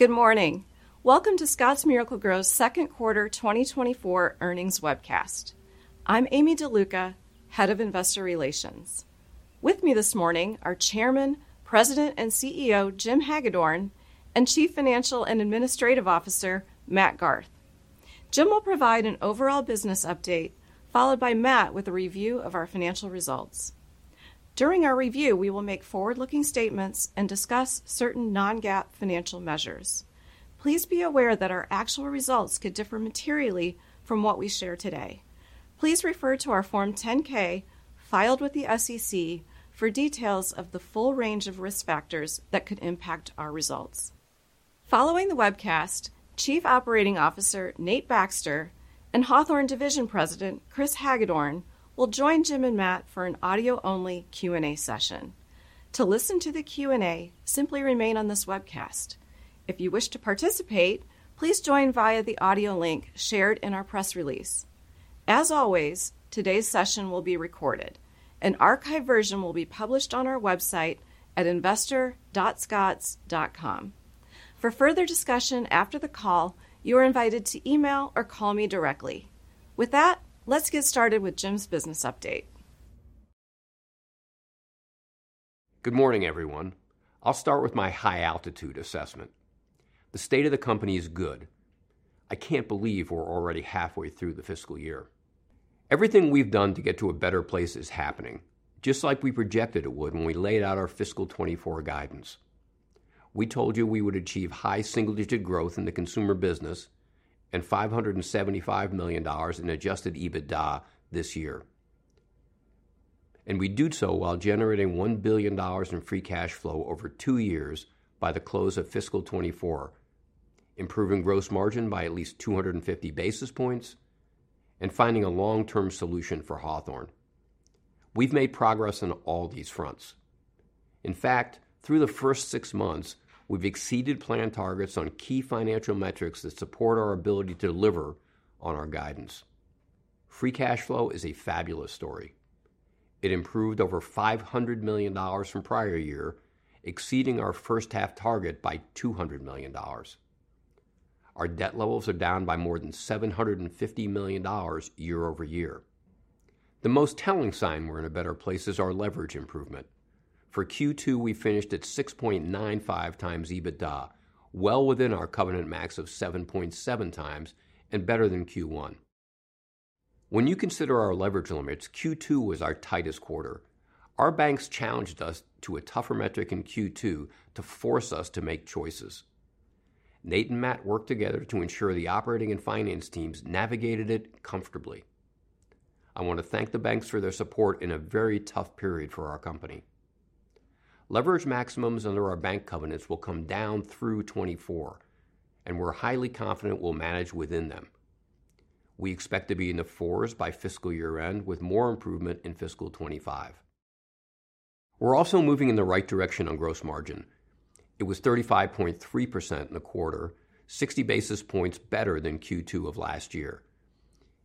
Good morning. Welcome to Scotts Miracle-Gro's second quarter 2024 earnings webcast. I'm Amy DeLuca, Head of Investor Relations. With me this morning are Chairman, President, and CEO, Jim Hagedorn, and Chief Financial and Administrative Officer, Matt Garth. Jim will provide an overall business update, followed by Matt with a review of our financial results. During our review, we will make forward-looking statements and discuss certain non-GAAP financial measures. Please be aware that our actual results could differ materially from what we share today. Please refer to our Form 10-K, filed with the SEC, for details of the full range of risk factors that could impact our results. Following the webcast, Chief Operating Officer, Nate Baxter, and Hawthorne Division President, Chris Hagedorn, will join Jim and Matt for an audio-only Q&A session. To listen to the Q&A, simply remain on this webcast. If you wish to participate, please join via the audio link shared in our press release. As always, today's session will be recorded. An archive version will be published on our website at investor.scotts.com. For further discussion after the call, you are invited to email or call me directly. With that, let's get started with Jim's business update. Good morning, everyone. I'll start with my high-altitude assessment. The state of the company is good. I can't believe we're already halfway through the fiscal year. Everything we've done to get to a better place is happening, just like we projected it would when we laid out our fiscal 2024 guidance. We told you we would achieve high single-digit growth in the consumer business and $575 million in adjusted EBITDA this year. And we'd do so while generating $1 billion in free cash flow over two years by the close of fiscal 2024, improving gross margin by at least 250 basis points, and finding a long-term solution for Hawthorne. We've made progress on all these fronts. In fact, through the first six months, we've exceeded plan targets on key financial metrics that support our ability to deliver on our guidance. Free cash flow is a fabulous story. It improved over $500 million from prior year, exceeding our first half target by $200 million. Our debt levels are down by more than $750 million year-over-year. The most telling sign we're in a better place is our leverage improvement. For Q2, we finished at 6.95x EBITDA, well within our covenant max of 7.7x and better than Q1. When you consider our leverage limits, Q2 was our tightest quarter. Our banks challenged us to a tougher metric in Q2 to force us to make choices. Nate and Matt worked together to ensure the operating and finance teams navigated it comfortably. I want to thank the banks for their support in a very tough period for our company. Leverage maximums under our bank covenants will come down through 2024, and we're highly confident we'll manage within them. We expect to be in the fours by fiscal year-end, with more improvement in fiscal 2025. We're also moving in the right direction on gross margin. It was 35.3% in the quarter, 60 basis points better than Q2 of last year.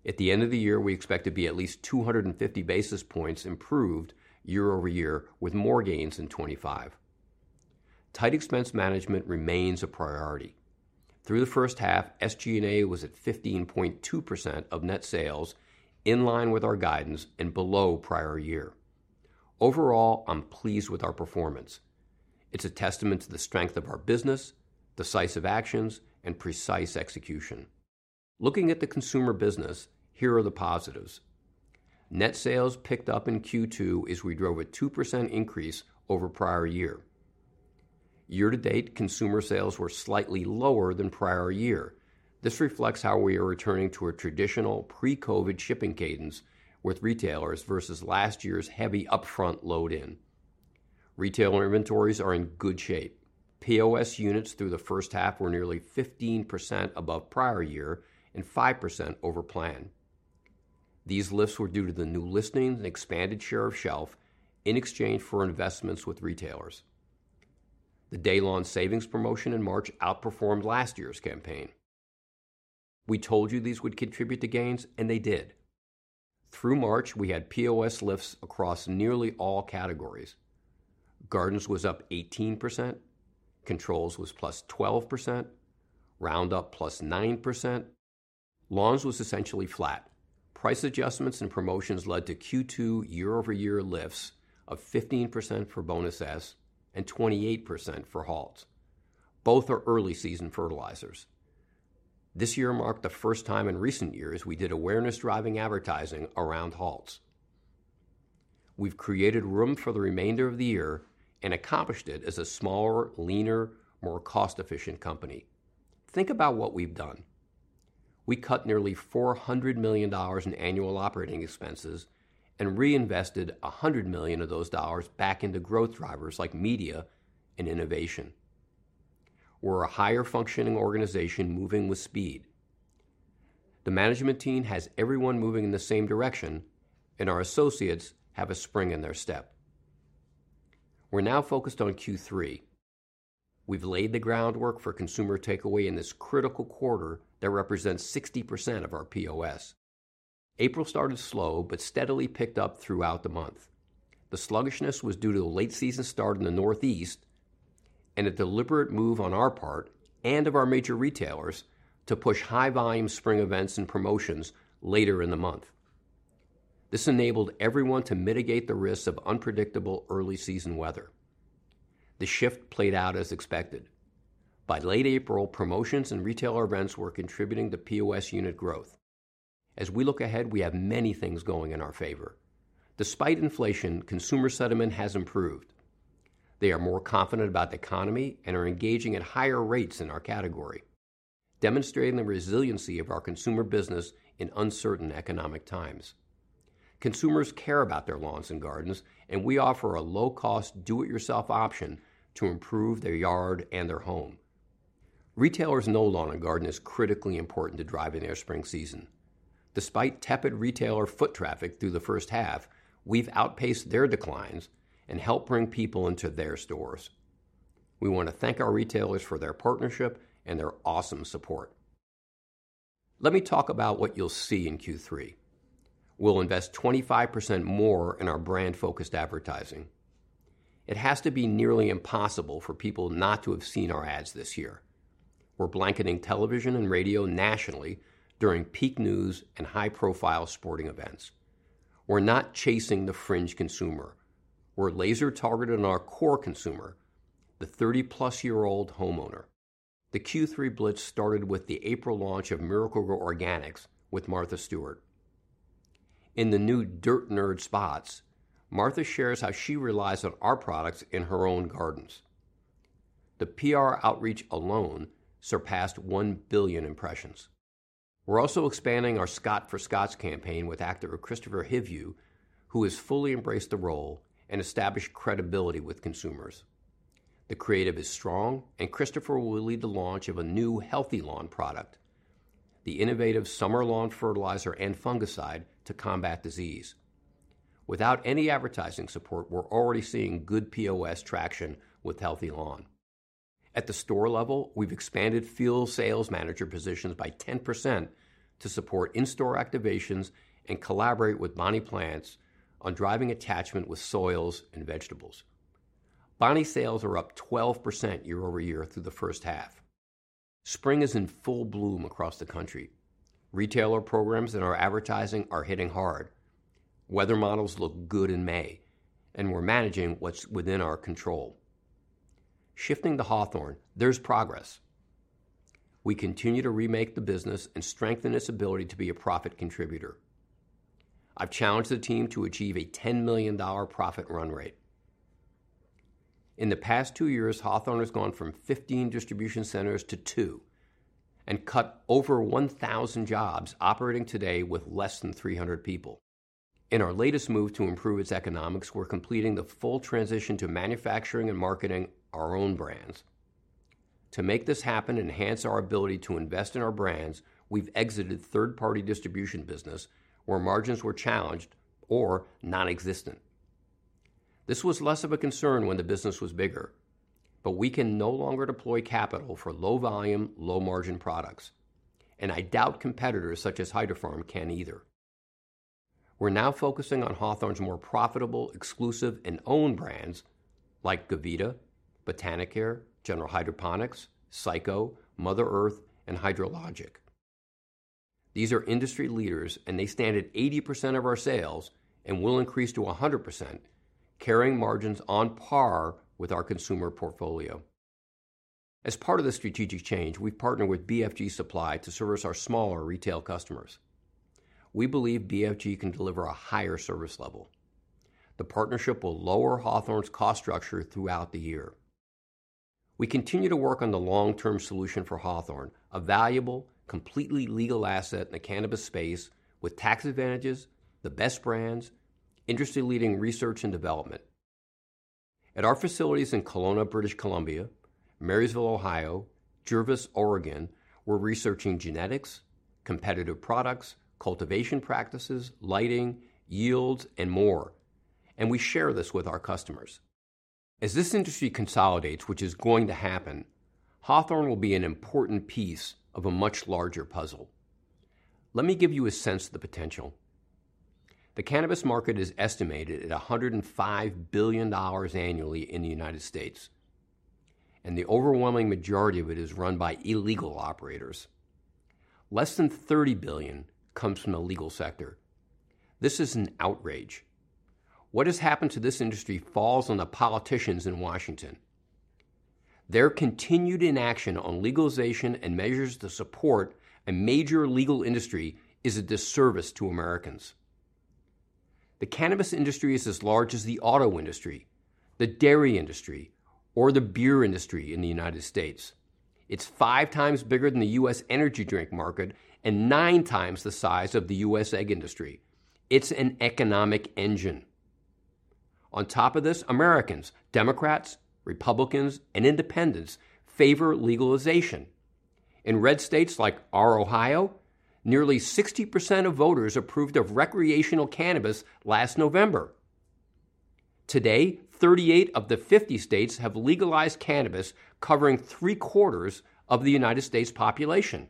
At the end of the year, we expect to be at least 250 basis points improved year-over-year, with more gains in 2025. Tight expense management remains a priority. Through the first half, SG&A was at 15.2% of net sales, in line with our guidance and below prior year. Overall, I'm pleased with our performance. It's a testament to the strength of our business, decisive actions, and precise execution. Looking at the consumer business, here are the positives: Net sales picked up in Q2 as we drove a 2% increase over prior year. Year to date, consumer sales were slightly lower than prior year. This reflects how we are returning to a traditional pre-COVID shipping cadence with retailers versus last year's heavy upfront load-in. Retailer inventories are in good shape. POS units through the first half were nearly 15% above prior year and 5% over plan. These lifts were due to the new listings and expanded share of shelf in exchange for investments with retailers. The Day Lawn Savings promotion in March outperformed last year's campaign. We told you these would contribute to gains, and they did. Through March, we had POS lifts across nearly all categories. Gardens was up 18%, Controls was +12%, Roundup +9%. Lawns was essentially flat. Price adjustments and promotions led to Q2 year-over-year lifts of 15% for Bonus S and 28% for Halts. Both are early season fertilizers. This year marked the first time in recent years we did awareness-driving advertising around Halts. We've created room for the remainder of the year and accomplished it as a smaller, leaner, more cost-efficient company. Think about what we've done. We cut nearly $400 million in annual operating expenses and reinvested $100 million of those dollars back into growth drivers like media and innovation. We're a higher functioning organization moving with speed. The management team has everyone moving in the same direction, and our associates have a spring in their step. We're now focused on Q3. We've laid the groundwork for consumer takeaway in this critical quarter that represents 60% of our POS. April started slow but steadily picked up throughout the month. The sluggishness was due to the late season start in the Northeast and a deliberate move on our part and of our major retailers to push high-volume spring events and promotions later in the month. This enabled everyone to mitigate the risks of unpredictable early season weather. The shift played out as expected. By late April, promotions and retailer events were contributing to POS unit growth. As we look ahead, we have many things going in our favor. Despite inflation, consumer sentiment has improved. They are more confident about the economy and are engaging at higher rates in our category, demonstrating the resiliency of our consumer business in uncertain economic times. Consumers care about their lawns and gardens, and we offer a low-cost, do-it-yourself option to improve their yard and their home. Retailers know lawn and garden is critically important to driving their spring season. Despite tepid retailer foot traffic through the first half, we've outpaced their declines and helped bring people into their stores. We want to thank our retailers for their partnership and their awesome support. Let me talk about what you'll see in Q3. We'll invest 25% more in our brand-focused advertising. It has to be nearly impossible for people not to have seen our ads this year. We're blanketing television and radio nationally during peak news and high-profile sporting events. We're not chasing the fringe consumer. We're laser-targeted on our core consumer, the 30+ year-old homeowner. The Q3 blitz started with the April launch of Miracle-Gro Organics with Martha Stewart. In the new Dirt Nerd spots, Martha shares how she relies on our products in her own gardens. The PR outreach alone surpassed 1 billion impressions. We're also expanding our Scott for Scotts campaign with actor Kristofer Hivju, who has fully embraced the role and established credibility with consumers. The creative is strong, and Kristofer Hivju will lead the launch of a new Healthy Lawn product, the innovative summer lawn fertilizer and fungicide to combat disease. Without any advertising support, we're already seeing good POS traction with Healthy Lawn. At the store level, we've expanded field sales manager positions by 10% to support in-store activations and collaborate with Bonnie Plants on driving attachment with soils and vegetables. Bonnie sales are up 12% year-over-year through the first half. Spring is in full bloom across the country. Retailer programs and our advertising are hitting hard. Weather models look good in May, and we're managing what's within our control. Shifting to Hawthorne, there's progress. We continue to remake the business and strengthen its ability to be a profit contributor. I've challenged the team to achieve a $10 million profit run rate. In the past two years, Hawthorne has gone from 15 distribution centers to two and cut over 1,000 jobs, operating today with less than 300 people. In our latest move to improve its economics, we're completing the full transition to manufacturing and marketing our own brands. To make this happen and enhance our ability to invest in our brands, we've exited third-party distribution business, where margins were challenged or nonexistent. This was less of a concern when the business was bigger, but we can no longer deploy capital for low-volume, low-margin products, and I doubt competitors such as Hydrofarm can either. We're now focusing on Hawthorne's more profitable, exclusive, and own brands like Gavita, Botanicare, General Hydroponics, Cyco, Mother Earth, and HydroLogic. These are industry leaders, and they stand at 80% of our sales and will increase to 100%, carrying margins on par with our consumer portfolio. As part of the strategic change, we've partnered with BFG Supply to service our smaller retail customers. We believe BFG can deliver a higher service level. The partnership will lower Hawthorne's cost structure throughout the year. We continue to work on the long-term solution for Hawthorne, a valuable, completely legal asset in the cannabis space with tax advantages, the best brands, industry-leading research and development. At our facilities in Kelowna, British Columbia, Marysville, Ohio, Gervais, Oregon, we're researching genetics, competitive products, cultivation practices, lighting, yields, and more, and we share this with our customers. As this industry consolidates, which is going to happen, Hawthorne will be an important piece of a much larger puzzle. Let me give you a sense of the potential. The cannabis market is estimated at $105 billion annually in the United States, and the overwhelming majority of it is run by illegal operators. Less than $30 billion comes from the legal sector. This is an outrage. What has happened to this industry falls on the politicians in Washington. Their continued inaction on legalization and measures to support a major legal industry is a disservice to Americans. The cannabis industry is as large as the auto industry, the dairy industry, or the beer industry in the United States. It's five times bigger than the U.S. energy drink market and nine times the size of the U.S. egg industry. It's an economic engine. On top of this, Americans, Democrats, Republicans, and Independents favor legalization. In red states like our Ohio, nearly 60% of voters approved of recreational cannabis last November. Today, 38 of the 50 states have legalized cannabis, covering three-quarters of the United States population.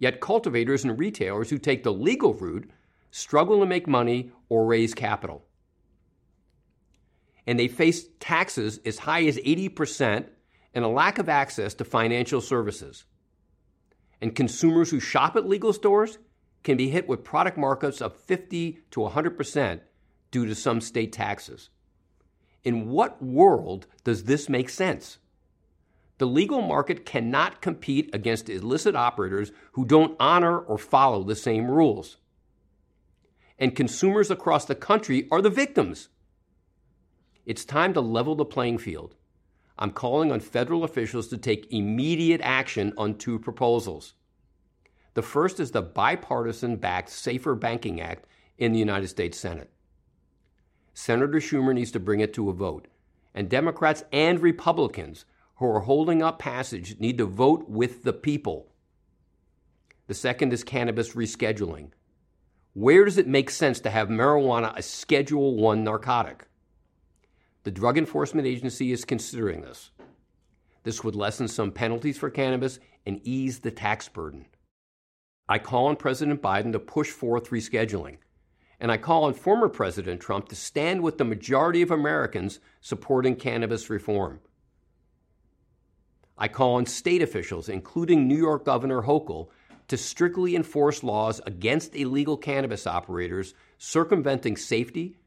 Yet cultivators and retailers who take the legal route struggle to make money or raise capital, and they face taxes as high as 80% and a lack of access to financial services. Consumers who shop at legal stores can be hit with product markups of 50%-100% due to some state taxes. In what world does this make sense? The legal market cannot compete against illicit operators who don't honor or follow the same rules, and consumers across the country are the victims. It's time to level the playing field. I'm calling on federal officials to take immediate action on two proposals. The first is the bipartisan-backed SAFER Banking Act in the United States Senate. Senator Schumer needs to bring it to a vote, and Democrats and Republicans who are holding up passage need to vote with the people. The second is cannabis rescheduling. Where does it make sense to have marijuana a Schedule I narcotic? The Drug Enforcement Administration is considering this. This would lessen some penalties for cannabis and ease the tax burden. I call on President Biden to push forth rescheduling, and I call on former President Trump to stand with the majority of Americans supporting cannabis reform. I call on state officials, including New York Governor Hochul, to strictly enforce laws against illegal cannabis operators circumventing safety,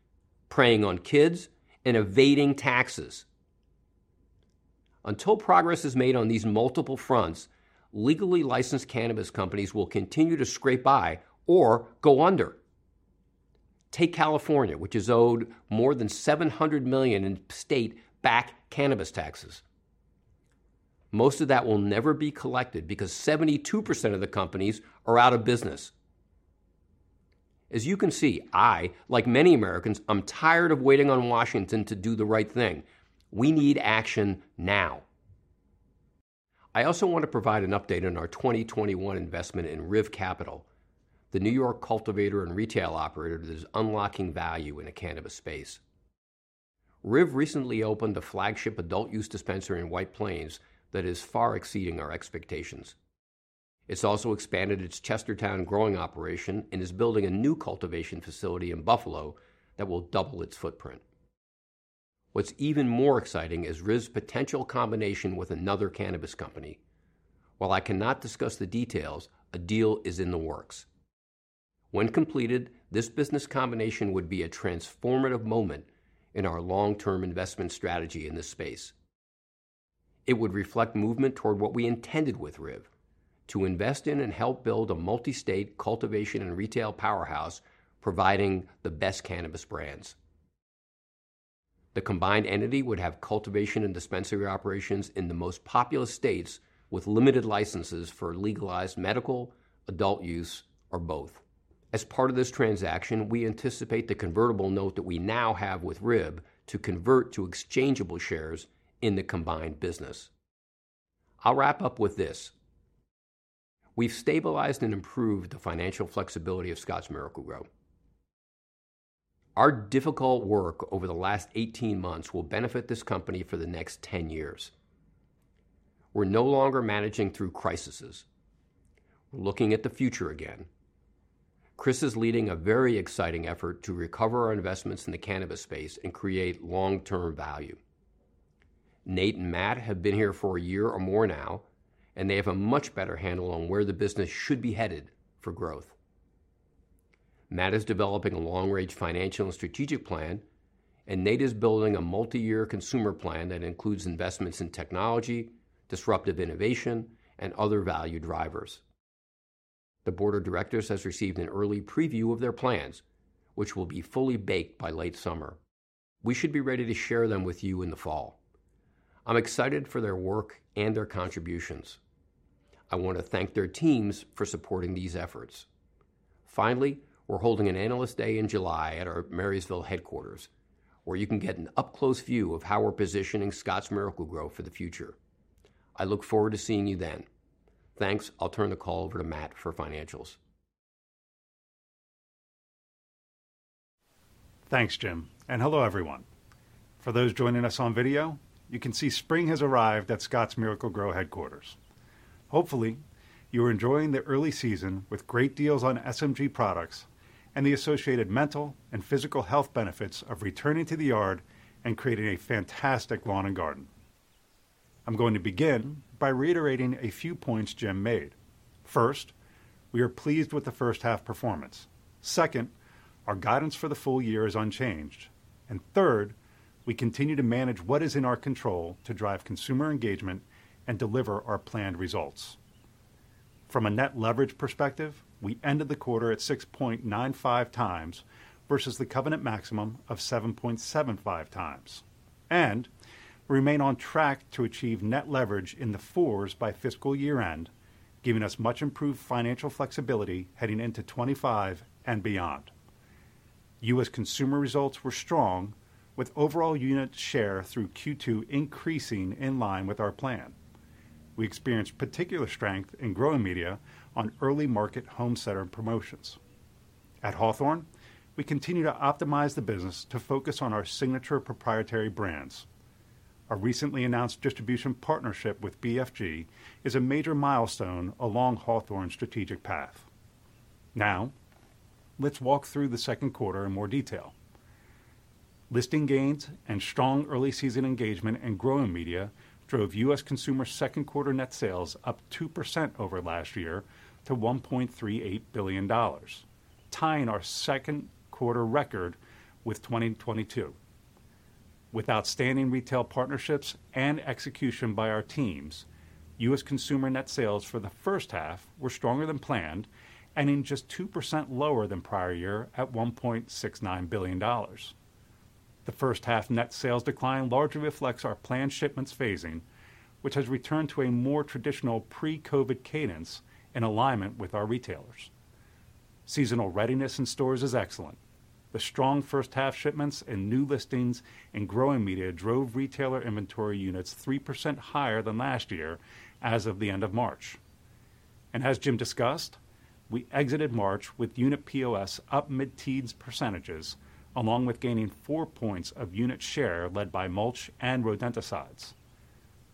preying on kids, and evading taxes. Until progress is made on these multiple fronts, legally licensed cannabis companies will continue to scrape by or go under. Take California, which is owed more than $700 million in state-backed cannabis taxes. Most of that will never be collected because 72% of the companies are out of business. As you can see, I, like many Americans, I'm tired of waiting on Washington to do the right thing. We need action now. I also want to provide an update on our 2021 investment in RIV Capital, the New York cultivator and retail operator that is unlocking value in the cannabis space. RIV recently opened a flagship adult-use dispensary in White Plains that is far exceeding our expectations. It's also expanded its Chestertown growing operation and is building a new cultivation facility in Buffalo that will double its footprint. What's even more exciting is RIV's potential combination with another cannabis company. While I cannot discuss the details, a deal is in the works. When completed, this business combination would be a transformative moment in our long-term investment strategy in this space. It would reflect movement toward what we intended with RIV: to invest in and help build a multi-state cultivation and retail powerhouse, providing the best cannabis brands. The combined entity would have cultivation and dispensary operations in the most populous states, with limited licenses for legalized medical, adult use, or both. As part of this transaction, we anticipate the convertible note that we now have with RIV to convert to exchangeable shares in the combined business. I'll wrap up with this: we've stabilized and improved the financial flexibility of Scotts Miracle-Gro. Our difficult work over the last 18 months will benefit this company for the next 10 years. We're no longer managing through crises. We're looking at the future again. Chris is leading a very exciting effort to recover our investments in the cannabis space and create long-term value. Nate and Matt have been here for a year or more now, and they have a much better handle on where the business should be headed for growth. Matt is developing a long-range financial and strategic plan, and Nate is building a multi-year consumer plan that includes investments in technology, disruptive innovation, and other value drivers. The board of directors has received an early preview of their plans, which will be fully baked by late summer. We should be ready to share them with you in the fall. I'm excited for their work and their contributions. I want to thank their teams for supporting these efforts. Finally, we're holding an Analyst Day in July at our Marysville headquarters, where you can get an up-close view of how we're positioning Scotts Miracle-Gro for the future. I look forward to seeing you then. Thanks. I'll turn the call over to Matt for financials. Thanks, Jim, and hello, everyone. For those joining us on video, you can see spring has arrived at Scotts Miracle-Gro headquarters. Hopefully, you're enjoying the early season with great deals on SMG products and the associated mental and physical health benefits of returning to the yard and creating a fantastic lawn and garden. I'm going to begin by reiterating a few points Jim made. First, we are pleased with the first half performance. Second, our guidance for the full year is unchanged. And third, we continue to manage what is in our control to drive consumer engagement and deliver our planned results. From a net leverage perspective, we ended the quarter at 6.95x versus the covenant maximum of 7.75x and remain on track to achieve net leverage in the four by fiscal year-end, giving us much improved financial flexibility heading into 2025 and beyond. U.S. Consumer results were strong, with overall unit share through Q2 increasing in line with our plan. We experienced particular strength in growing media on early market home center promotions. At Hawthorne, we continue to optimize the business to focus on our signature proprietary brands. Our recently announced distribution partnership with BFG is a major milestone along Hawthorne's strategic path. Now, let's walk through the second quarter in more detail. Listing gains and strong early season engagement and growing media drove U.S. consumer second quarter net sales up 2% over last year to $1.38 billion, tying our second quarter record with 2022. With outstanding retail partnerships and execution by our teams, U.S. consumer net sales for the first half were stronger than planned and in just 2% lower than prior year at $1.69 billion. The first half net sales decline largely reflects our planned shipments phasing, which has returned to a more traditional pre-COVID cadence in alignment with our retailers. Seasonal readiness in stores is excellent. The strong first half shipments and new listings in growing media drove retailer inventory units 3% higher than last year as of the end of March. And as Jim discussed, we exited March with unit POS up mid-teens percentages, along with gaining four points of unit share, led by mulch and rodenticides.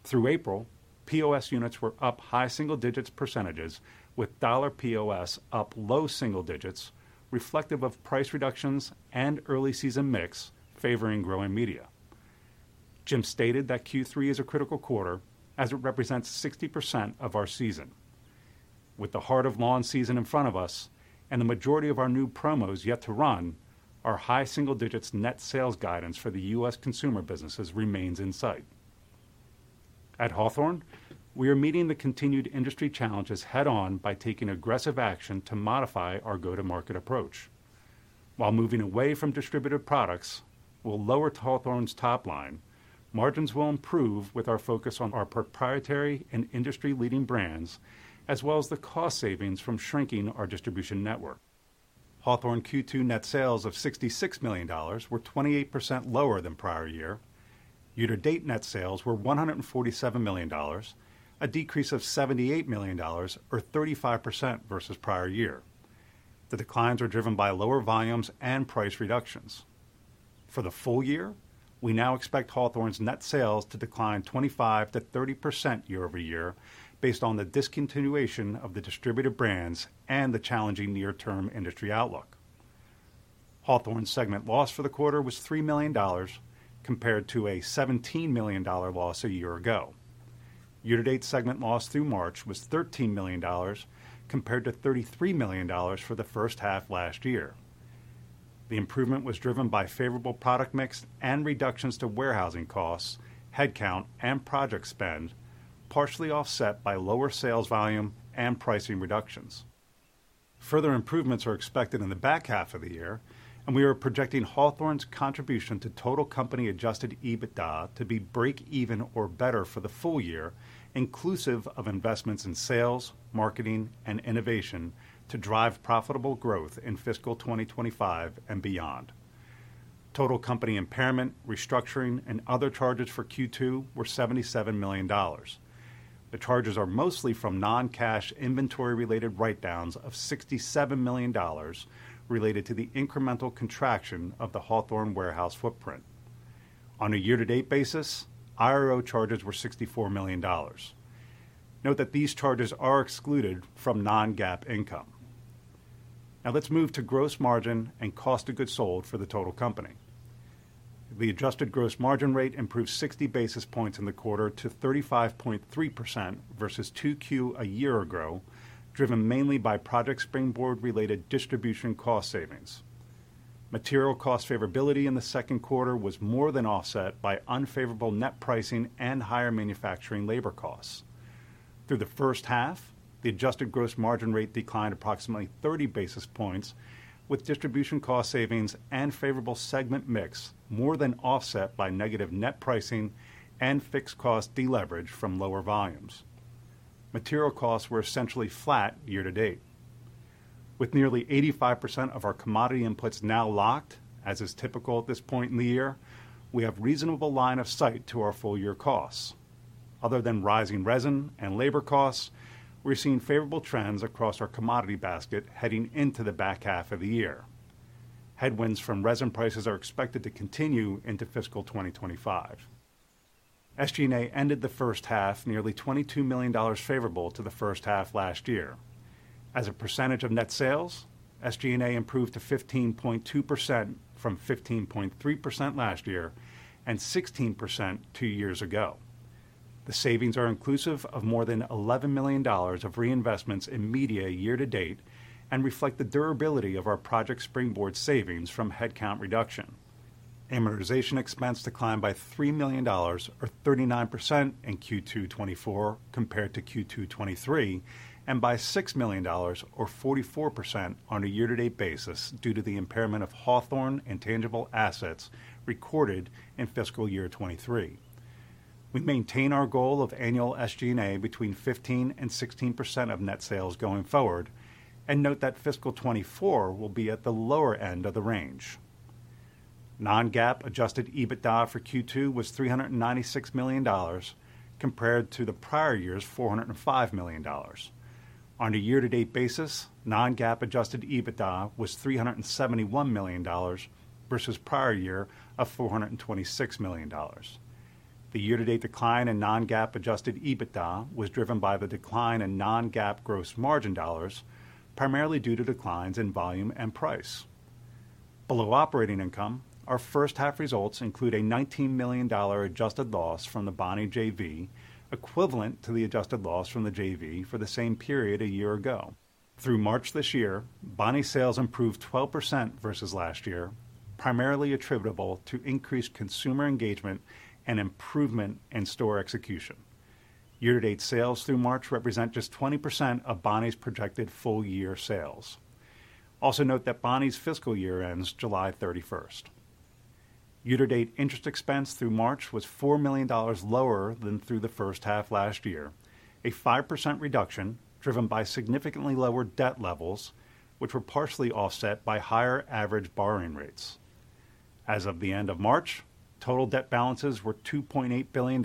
Through April, POS units were up high single-digits percentages, with dollar POS up low single-digits, reflective of price reductions and early season mix favoring growing media. Jim stated that Q3 is a critical quarter as it represents 60% of our season. With the heart of lawn season in front of us and the majority of our new promos yet to run, our high single-digits net sales guidance for the U.S. consumer businesses remains in sight. At Hawthorne, we are meeting the continued industry challenges head-on by taking aggressive action to modify our go-to-market approach. While moving away from distributed products will lower Hawthorne's top line, margins will improve with our focus on our proprietary and industry-leading brands, as well as the cost savings from shrinking our distribution network. Hawthorne Q2 net sales of $66 million were 28% lower than prior year. Year-to-date net sales were $147 million, a decrease of $78 million, or 35% versus prior year. The declines are driven by lower volumes and price reductions. For the full year, we now expect Hawthorne's net sales to decline 25%-30% year-over-year based on the discontinuation of the distributor brands and the challenging near-term industry outlook. Hawthorne segment loss for the quarter was $3 million, compared to a $17 million dollar loss a year ago. Year-to-date segment loss through March was $13 million, compared to $33 million for the first half last year. The improvement was driven by favorable product mix and reductions to warehousing costs, headcount, and project spend, partially offset by lower sales volume and pricing reductions. Further improvements are expected in the back half of the year, and we are projecting Hawthorne's contribution to total company Adjusted EBITDA to be break-even or better for the full year, inclusive of investments in sales, marketing, and innovation to drive profitable growth in fiscal 2025 and beyond. Total company impairment, restructuring, and other charges for Q2 were $77 million. The charges are mostly from non-cash inventory-related write-downs of $67 million related to the incremental contraction of the Hawthorne warehouse footprint. On a year-to-date basis, IRO charges were $64 million. Note that these charges are excluded from non-GAAP income. Now let's move to gross margin and cost of goods sold for the total company. The adjusted gross margin rate improved 60 basis points in the quarter to 35.3% versus 2Q a year ago, driven mainly by Project Springboard-related distribution cost savings. Material cost favorability in the second quarter was more than offset by unfavorable net pricing and higher manufacturing labor costs. Through the first half, the adjusted gross margin rate declined approximately 30 basis points, with distribution cost savings and favorable segment mix more than offset by negative net pricing and fixed cost deleverage from lower volumes. Material costs were essentially flat year to date. With nearly 85% of our commodity inputs now locked, as is typical at this point in the year, we have reasonable line of sight to our full year costs. Other than rising resin and labor costs, we're seeing favorable trends across our commodity basket heading into the back half of the year. Headwinds from resin prices are expected to continue into fiscal 2025. SG&A ended the first half nearly $22 million favorable to the first half last year. As a percentage of net sales, SG&A improved to 15.2% from 15.3% last year and 16% two years ago. The savings are inclusive of more than $11 million of reinvestments in media year to date and reflect the durability of our Project Springboard savings from headcount reduction. Amortization expense declined by $3 million or 39% in Q2 2024 compared to Q2 2023, and by $6 million or 44% on a year-to-date basis due to the impairment of Hawthorne and tangible assets recorded in fiscal year 2023. We maintain our goal of annual SG&A between 15% and 16% of net sales going forward, and note that fiscal 2024 will be at the lower end of the range. Non-GAAP adjusted EBITDA for Q2 was $396 million, compared to the prior year's $405 million. On a year-to-date basis, non-GAAP adjusted EBITDA was $371 million versus prior year of $426 million. The year-to-date decline in non-GAAP adjusted EBITDA was driven by the decline in non-GAAP gross margin dollars, primarily due to declines in volume and price. Below operating income, our first half results include a $19 million adjusted loss from the Bonnie JV, equivalent to the adjusted loss from the JV for the same period a year ago. Through March this year, Bonnie sales improved 12% versus last year, primarily attributable to increased consumer engagement and improvement in store execution. Year-to-date sales through March represent just 20% of Bonnie's projected full-year sales. Also note that Bonnie's fiscal year ends July 31st. Year-to-date interest expense through March was $4 million lower than through the first half last year, a 5% reduction driven by significantly lower debt levels, which were partially offset by higher average borrowing rates. As of the end of March, total debt balances were $2.8 billion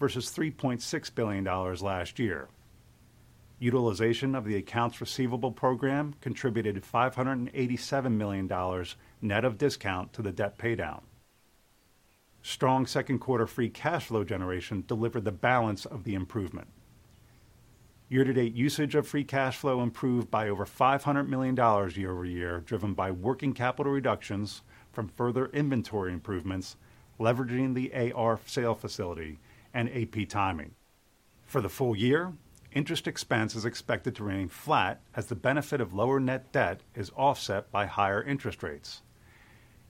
versus $3.6 billion last year. Utilization of the accounts receivable program contributed $587 million net of discount to the debt paydown. Strong second quarter free cash flow generation delivered the balance of the improvement. Year-to-date usage of free cash flow improved by over $500 million year-over-year, driven by working capital reductions from further inventory improvements, leveraging the AR sale facility and AP timing. For the full year, interest expense is expected to remain flat as the benefit of lower net debt is offset by higher interest rates.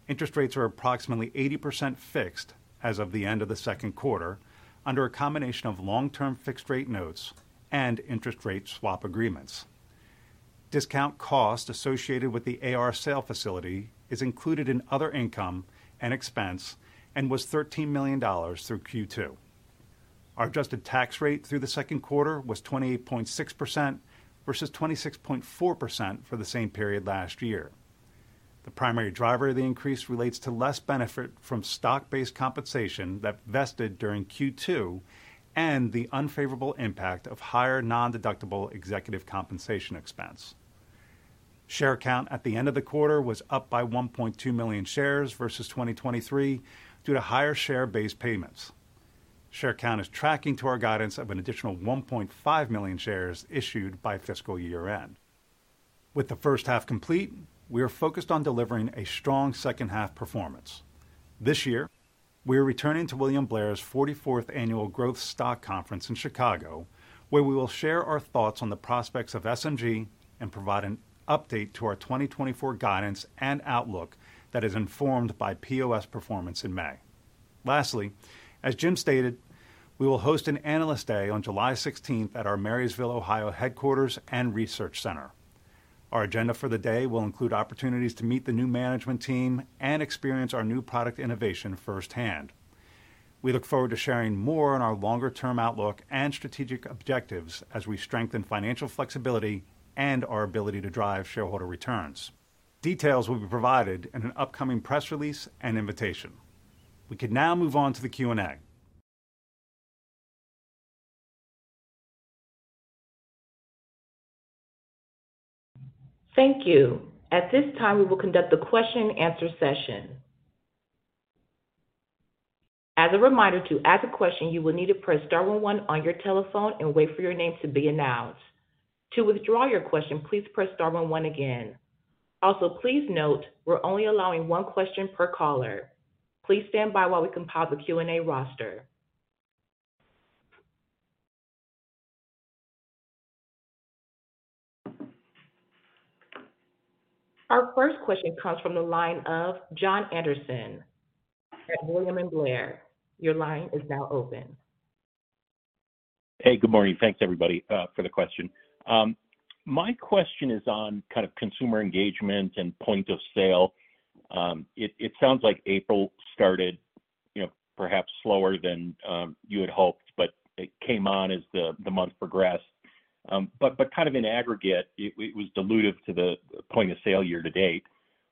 Interest rates are approximately 80% fixed as of the end of the second quarter, under a combination of long-term fixed rate notes and interest rate swap agreements. Discount cost associated with the AR sale facility is included in other income and expense and was $13 million through Q2. Our adjusted tax rate through the second quarter was 28.6% versus 26.4% for the same period last year. The primary driver of the increase relates to less benefit from stock-based compensation that vested during Q2 and the unfavorable impact of higher nondeductible executive compensation expense. Share count at the end of the quarter was up by 1.2 million shares versus 2023 due to higher share-based payments. Share count is tracking to our guidance of an additional 1.5 million shares issued by fiscal year-end. With the first half complete, we are focused on delivering a strong second half performance. This year, we are returning to William Blair's 44th Annual Growth Stock Conference in Chicago, where we will share our thoughts on the prospects of SG&A and provide an update to our 2024 guidance and outlook that is informed by POS performance in May. Lastly, as Jim stated, we will host an Analyst Day on July 16th at our Marysville, Ohio, headquarters and research center. Our agenda for the day will include opportunities to meet the new management team and experience our new product innovation firsthand. We look forward to sharing more on our longer-term outlook and strategic objectives as we strengthen financial flexibility and our ability to drive shareholder returns. Details will be provided in an upcoming press release and invitation. We can now move on to the Q&A. Thank you. At this time, we will conduct a question and answer session. As a reminder, to ask a question, you will need to press star one one on your telephone and wait for your name to be announced. To withdraw your question, please press star one one again. Also, please note, we're only allowing one question per caller. Please stand by while we compile the Q&A roster. Our first question comes from the line of Jon Andersen at William Blair. Your line is now open. Hey, good morning. Thanks, everybody, for the question. My question is on kind of consumer engagement and point of sale. It sounds like April started, you know, perhaps slower than you had hoped, but it came on as the month progressed. But kind of in aggregate, it was dilutive to the point of sale year to date.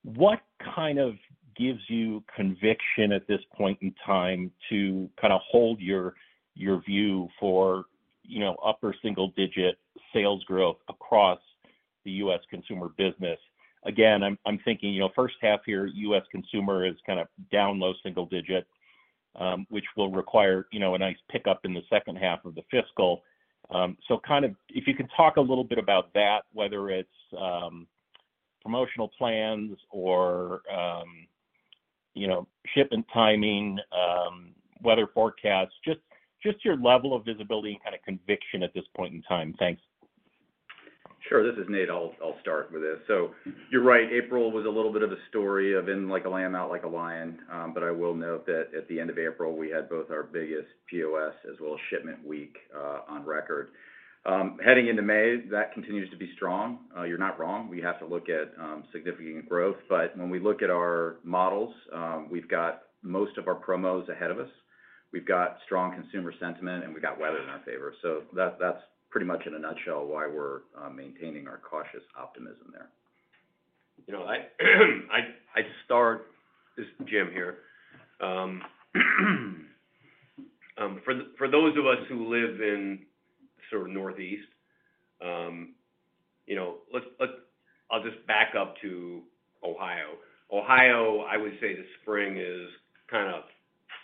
What kind of gives you conviction at this point in time to kind of hold your view for, you know, upper single digit sales growth across the U.S. Consumer Business? Again, I'm thinking, you know, first half year, U.S. Consumer is kind of down low single-digit, which will require, you know, a nice pickup in the second half of the fiscal. So kind of if you could talk a little bit about that, whether it's promotional plans or, you know, shipment timing, weather forecasts, just your level of visibility and kind of conviction at this point in time. Thanks. Sure. This is Nate. I'll start with this. So you're right, April was a little bit of a story of in like a lamb, out like a lion. But I will note that at the end of April, we had both our biggest POS as well as shipment week on record. Heading into May, that continues to be strong. You're not wrong. We have to look at significant growth, but when we look at our models, we've got most of our promos ahead of us. We've got strong consumer sentiment, and we got weather in our favor. So that's pretty much in a nutshell why we're maintaining our cautious optimism there. You know, I'd start. This is Jim here. For those of us who live in sort of Northeast, you know, let's, let's. I'll just back up to Ohio. Ohio, I would say the spring is kind of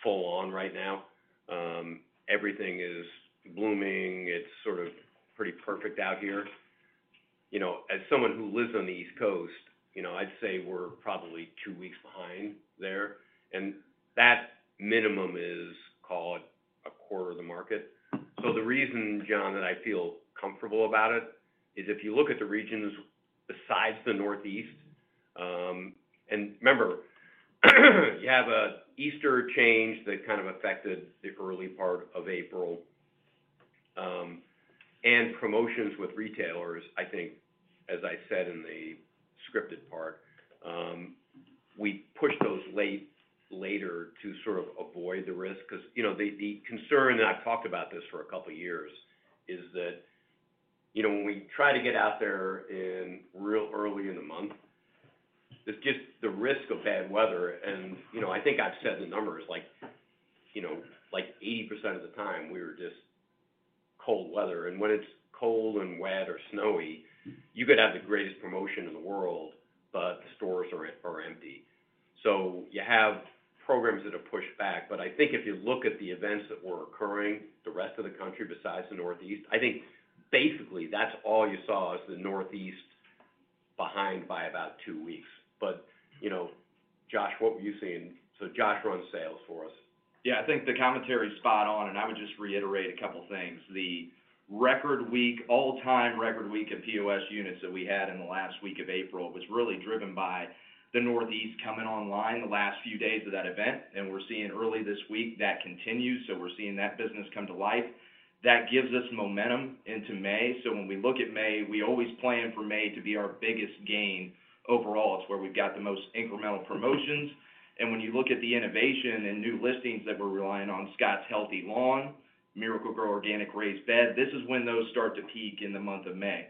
full on right now. Everything is blooming. It's sort of pretty perfect out here. You know, as someone who lives on the East Coast, you know, I'd say we're probably two weeks behind there, and that minimum is, call it, a quarter of the market. So the reason, John, that I feel comfortable about it, is if you look at the regions besides the Northeast, and remember, you have a Easter change that kind of affected the early part of April, and promotions with retailers, I think, as I said in the scripted part, we pushed those later to sort of avoid the risk. Because, you know, the concern, and I've talked about this for a couple of years, is that, you know, when we try to get out there in real early in the month, this gets the risk of bad weather. And, you know, I think I've said the numbers, like, you know, like 80% of the time we were just cold weather. And when it's cold and wet or snowy, you could have the greatest promotion in the world, but the stores are empty. So, you have programs that are pushed back. But I think if you look at the events that were occurring, the rest of the country, besides the Northeast, I think basically that's all you saw is the Northeast behind by about two weeks. But, you know, Josh, what were you seeing? So Josh runs sales for us. Yeah, I think the commentary is spot on, and I would just reiterate a couple of things. The record week, all-time record week of POS units that we had in the last week of April, was really driven by the Northeast coming online the last few days of that event, and we're seeing early this week that continues. So we're seeing that business come to life. That gives us momentum into May. So when we look at May, we always plan for May to be our biggest gain. Overall, it's where we've got the most incremental promotions. And when you look at the innovation and new listings that we're relying on, Scotts Healthy Lawn, Miracle-Gro Organic Raised Bed, this is when those start to peak in the month of May.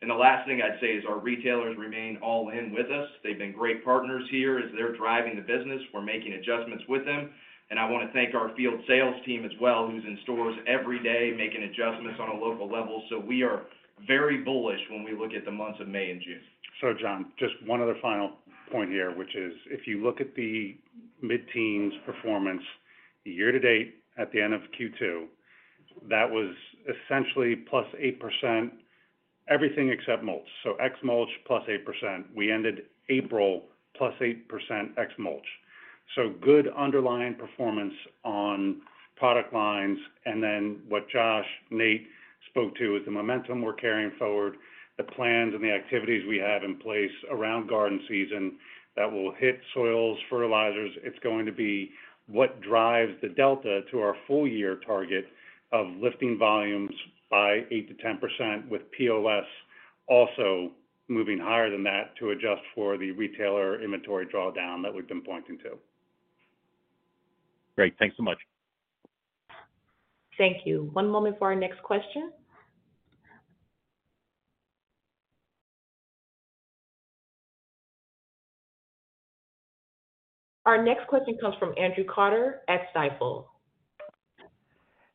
And the last thing I'd say is our retailers remain all in with us. They've been great partners here. As they're driving the business, we're making adjustments with them. And I wanna thank our field sales team as well, who's in stores every day, making adjustments on a local level. So we are very bullish when we look at the months of May and June. So, Jon, just one other final point here, which is, if you look at the mid-teens performance, year to date, at the end of Q2, that was essentially +8%, everything except mulch. So ex-mulch, +8%. We ended April, +8%, ex-mulch. So good underlying performance on product lines, and then what Josh, Nate spoke to, is the momentum we're carrying forward, the plans and the activities we have in place around garden season that will hit soils, fertilizers. It's going to be what drives the delta to our full year target of lifting volumes by 8%-10%, with POS also moving higher than that to adjust for the retailer inventory drawdown that we've been pointing to. Great. Thanks so much. Thank you. One moment for our next question. Our next question comes from Andrew Carter at Stifel.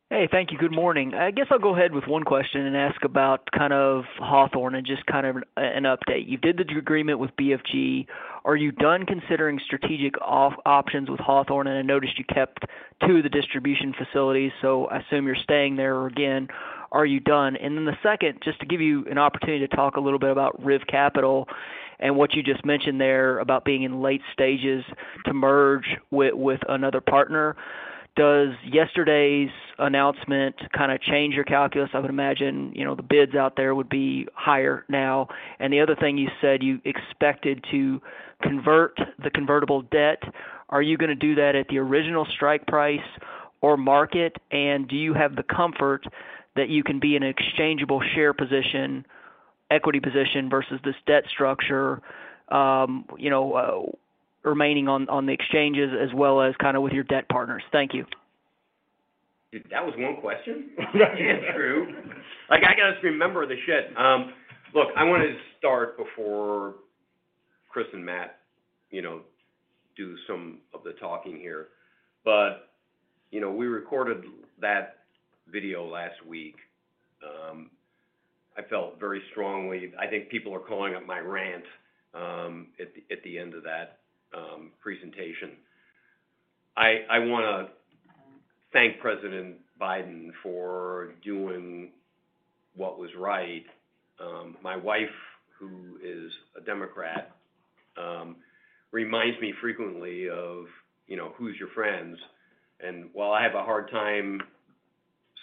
Hey, thank you. Good morning. I guess I'll go ahead with one question and ask about kind of Hawthorne and just kind of an update. You did the agreement with BFG. Are you done considering strategic off options with Hawthorne? And I noticed you kept two of the distribution facilities, so I assume you're staying there. Or again, are you done? And then the second, just to give you an opportunity to talk a little bit about RIV Capital and what you just mentioned there about being in late stages to merge with another partner. Does yesterday's announcement kinda change your calculus? I would imagine, you know, the bids out there would be higher now. And the other thing, you said you expected to convert the convertible debt. Are you gonna do that at the original strike price or market? Do you have the comfort that you can be an exchangeable share position, equity position, versus this debt structure, you know, remaining on the exchanges as well as kinda with your debt partners? Thank you. That was one question? Yeah. Andrew. Like, I gotta remember the shit. Look, I wanna start before Chris and Matt, you know, do some of the talking here. But you know, we recorded that video last week. I felt very strongly. I think people are calling it my rant at the end of that presentation. I wanna thank President Biden for doing what was right. My wife, who is a Democrat, reminds me frequently of, you know, "Who's your friends?" And while I have a hard time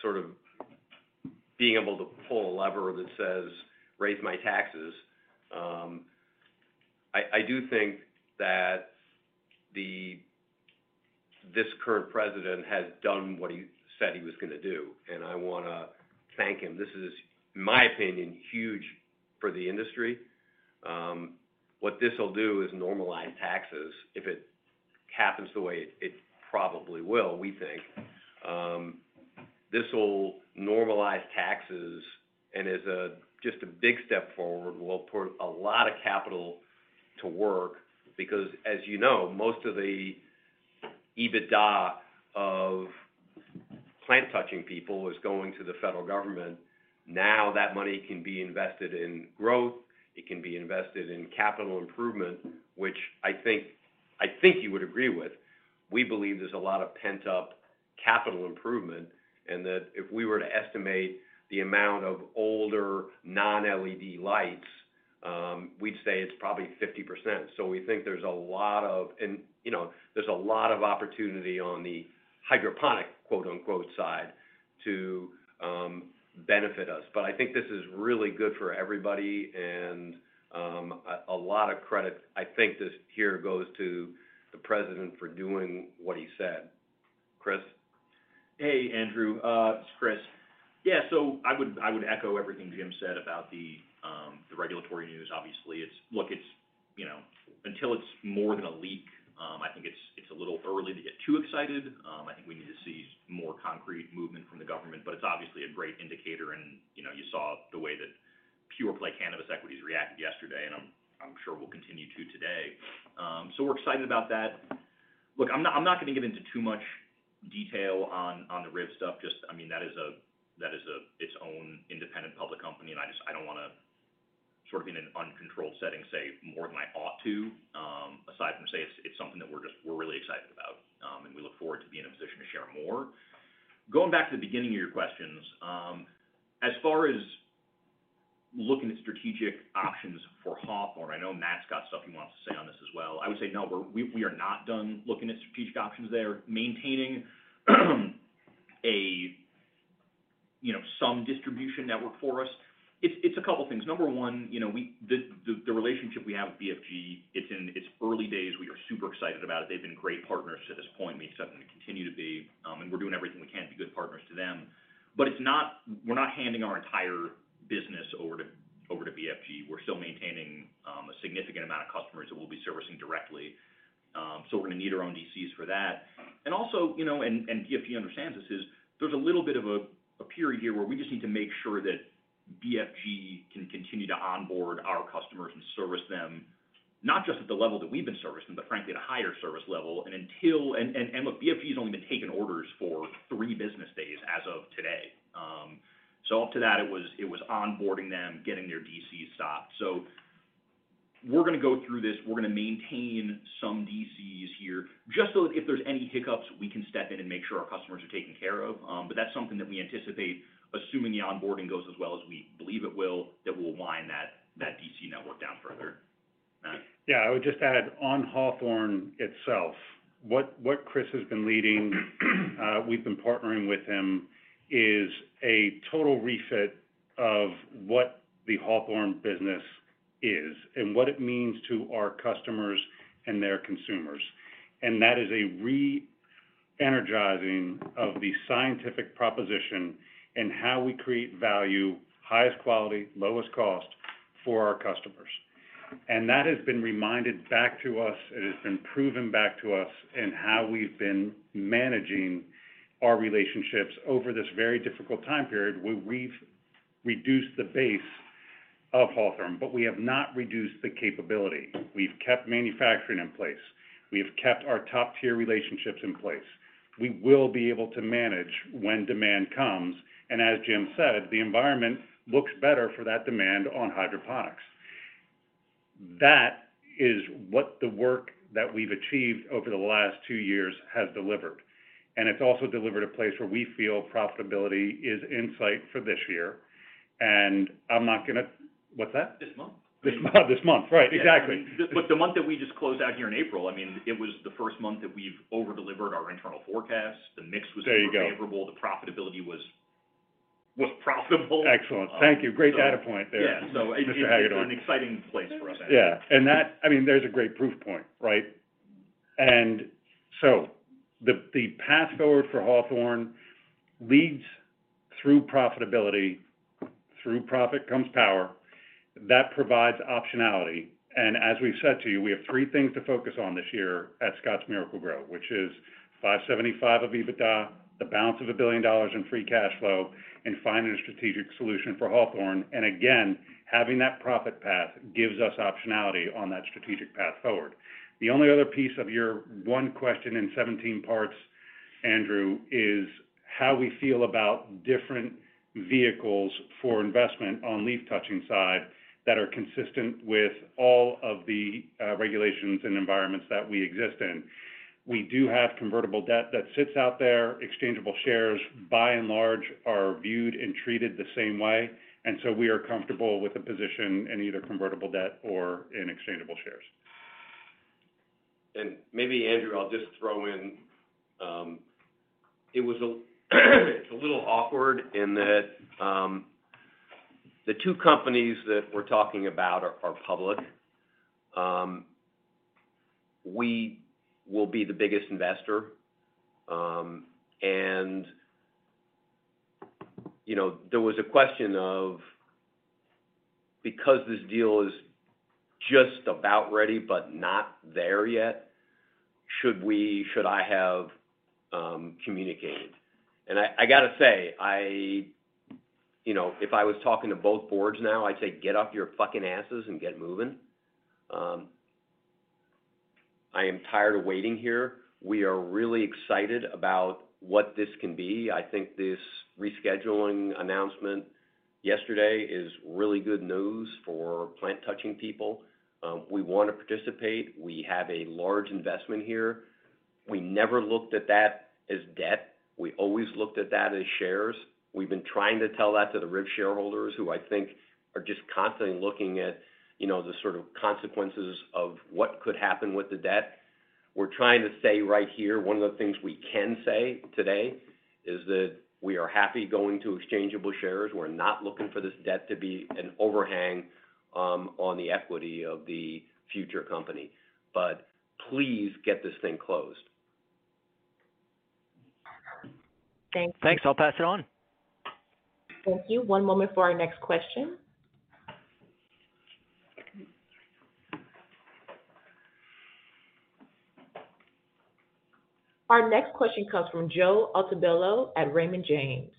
sort of being able to pull a lever that says, "Raise my taxes," I do think that this current president has done what he said he was gonna do, and I wanna thank him. This is, in my opinion, huge for the industry. What this will do is normalize taxes. If it happens the way it, it probably will, we think, this will normalize taxes and is a just big step forward. We'll put a lot of capital to work because, as you know, most of the EBITDA of plant touching people is going to the federal government. Now, that money can be invested in growth, it can be invested in capital improvement, which I think, I think you would agree with. We believe there's a lot of pent-up capital improvement, and that if we were to estimate the amount of older, non-LED lights, we'd say it's probably 50%. So we think there's a lot of, and, you know, there's a lot of opportunity on the hydroponic, quote-unquote, side, to, benefit us. But I think this is really good for everybody, and a lot of credit, I think, this here goes to the president for doing what he said. Chris? Hey, Andrew, it's Chris. Yeah, so I would echo everything Jim said about the regulatory news. Obviously, it's, look, it's, you know, until it's more than a leak, I think it's a little early to get too excited. I think we need to see more concrete movement from the government, but it's obviously a great indicator. And, you know, you saw the way that pure play cannabis equities reacted yesterday, and I'm sure will continue to today. So we're excited about that. Look, I'm not gonna get into too much detail on the RIV stuff. Just, I mean, that is a its own independent public company, and I just, I don't wanna sort of, in an uncontrolled setting, say more than I ought to, aside from say it's, it's something that we're really excited about, and we look forward to being in a position to share more. Going back to the beginning of your questions, as far as looking at strategic options for Hawthorne, I know Matt's got stuff he wants to say on this as well. I would say, no, we are not done looking at strategic options there, maintaining, you know, some distribution network for us. It's a couple things. Number one, you know, the relationship we have with BFG, it's in its early days. We are super excited about it. They've been great partners to this point, and they certainly continue to be, and we're doing everything we can to be good partners to them. But it's not, we're not handing our entire business over to, over to BFG. We're still maintaining, a significant amount of customers that we'll be servicing directly. So we're gonna need our own DCs for that. And also, you know, and, and BFG understands this is, there's a little bit of a, a period here where we just need to make sure that BFG can continue to onboard our customers and service them, not just at the level that we've been servicing, but frankly, at a higher service level. And until, and, and, and look, BFG has only been taking orders for three business days as of today. So up to that, it was onboarding them, getting their DCs stocked. So we're gonna go through this, we're gonna maintain some DCs here, just so if there's any hiccups, we can step in and make sure our customers are taken care of. But that's something that we anticipate, assuming the onboarding goes as well as we believe it will, that we'll wind that DC network down further. Matt? Yeah, I would just add on Hawthorne itself, what Chris has been leading, we've been partnering with him, is a total refit of what the Hawthorne business is and what it means to our customers and their consumers. And that is a re-energizing of the scientific proposition and how we create value, highest quality, lowest cost for our customers. And that has been reminded back to us, it has been proven back to us in how we've been managing our relationships over this very difficult time period, where we've reduced the base of Hawthorne, but we have not reduced the capability. We've kept manufacturing in place. We have kept our top-tier relationships in place. We will be able to manage when demand comes, and as Jim said, the environment looks better for that demand on hydroponics. That is what the work that we've achieved over the last two years has delivered. And it's also delivered a place where we feel profitability is in sight for this year. And I'm not gonna, what's that? This month. This month, right, exactly. But the month that we just closed out here in April, I mean, it was the first month that we've over-delivered our internal forecast. The mix was- There you go. more favorable. The profitability was profitable. Excellent. Thank you. Great data point there. Yeah Mr. Hagedorn. An exciting place for us. Yeah. And that, I mean, there's a great proof point, right? And so the path forward for Hawthorne leads through profitability. Through profit comes power. That provides optionality. And as we've said to you, we have three things to focus on this year at Scotts Miracle-Gro, which is $575 million of EBITDA, the balance of $1 billion in free cash flow, and finding a strategic solution for Hawthorne. And again, having that profit path gives us optionality on that strategic path forward. The only other piece of your one question in seventeen parts, Andrew, is how we feel about different vehicles for investment on leaf touching side, that are consistent with all of the regulations and environments that we exist in. We do have convertible debt that sits out there. Exchangeable shares, by and large, are viewed and treated the same way, and so we are comfortable with the position in either convertible debt or in exchangeable shares. And maybe, Andrew, I'll just throw in. It was a little awkward in that the two companies that we're talking about are public. We will be the biggest investor. And, you know, there was a question of, because this deal is just about ready, but not there yet, should we, should I have communicated? And I gotta say, I you know, if I was talking to both boards now, I'd say, "Get off your fucking asses and get moving." I am tired of waiting here. We are really excited about what this can be. I think this rescheduling announcement yesterday is really good news for plant-touching people. We want to participate. We have a large investment here. We never looked at that as debt. We always looked at that as shares. We've been trying to tell that to the RIV shareholders, who I think are just constantly looking at, you know, the sort of consequences of what could happen with the debt. We're trying to say right here, one of the things we can say today, is that we are happy going to exchangeable shares. We're not looking for this debt to be an overhang, on the equity of the future company. But please get this thing closed. Thank you. Thanks. I'll pass it on. Thank you. One moment for our next question. Our next question comes from Joe Altobello at Raymond James.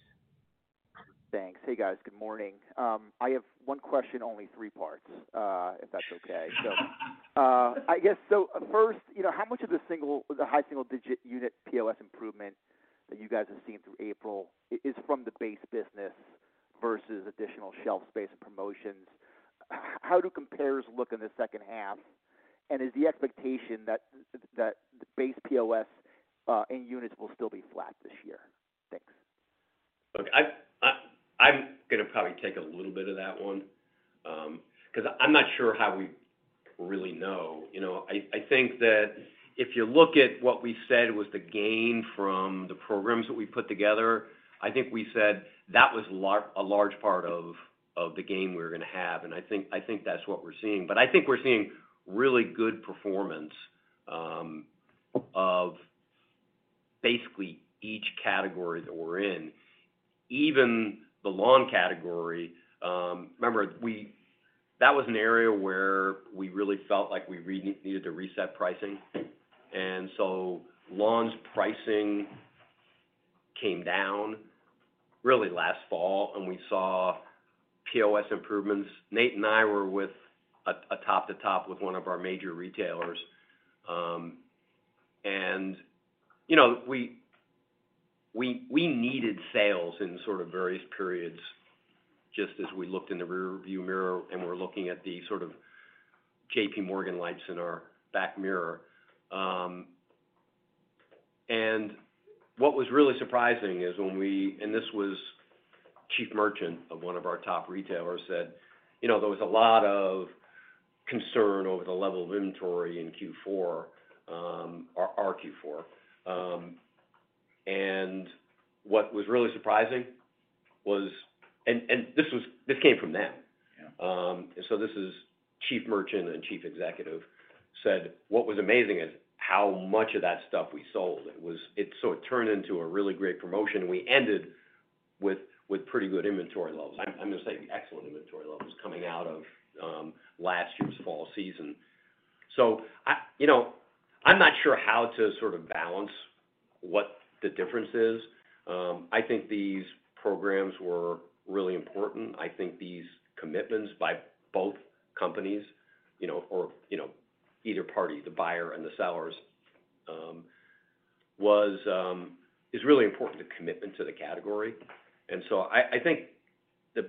Thanks. Hey, guys. Good morning. I have one question, only three parts, if that's okay. I guess, so first, you know, how much of the high single-digit unit POS improvement that you guys have seen through April is from the base business versus additional shelf space and promotions? How do compares look in the second half? And is the expectation that the base POS in units will still be flat this year? Thanks. Look, I'm gonna probably take a little bit of that one, 'cause I'm not sure how we really know. You know, I think that if you look at what we said was the gain from the programs that we put together, I think we said that was a large part of the gain we're gonna have, and I think that's what we're seeing. But I think we're seeing really good performance of basically each category that we're in. Even the lawn category, remember, that was an area where we really felt like we needed to reset pricing. And so lawn's pricing came down really last fall, and we saw POS improvements. Nate and I were with a top to top with one of our major retailers. You know, we needed sales in sort of various periods just as we looked in the rear view mirror, and we're looking at the sort of JPMorgan lights in our back mirror. What was really surprising is this was Chief Merchant of one of our top retailers said, "You know, there was a lot of concern over the level of inventory in Q4, our Q4." What was really surprising was this came from them. Yeah. And so this is chief merchant and chief executive, said, "What was amazing is how much of that stuff we sold. It was, it sort of turned into a really great promotion, and we ended with, with pretty good inventory levels." I'm, I'm gonna say excellent inventory levels coming out of, last year's fall season. So I, you know, I'm not sure how to sort of balance what the difference is. I think these programs were really important. I think these commitments by both companies, you know, or, you know, either party, the buyer and the sellers, was, is really important to commitment to the category. And so I, I think that